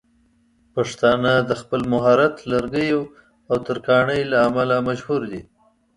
پښتانه د خپل مهارت لرګيو او ترکاڼۍ له امله مشهور دي.